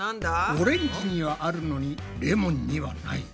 オレンジにはあるのにレモンにはない。